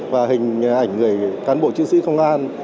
và hình ảnh người cán bộ chiến sĩ công an